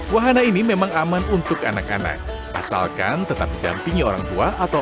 wahana ini memang aman untuk anak anak asalkan tetap didampingi orang tua atau